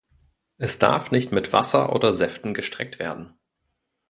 Er darf nicht mit Wasser oder Säften gestreckt werden.